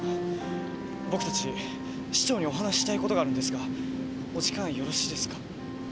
僕たち市長にお話ししたいことがあるんですがお時間よろしいですか？